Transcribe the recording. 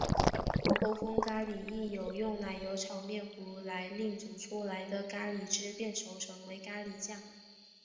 欧风咖哩亦有用奶油炒面糊来令煮出来的咖喱汁变稠成为咖喱酱。